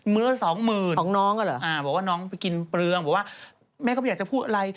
ื้อสองหมื่นของน้องก็เหรอบอกว่าน้องไปกินเปลืองบอกว่าแม่ก็ไม่อยากจะพูดอะไร